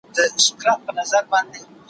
کروندې يې د کهاله څنگ ته لرلې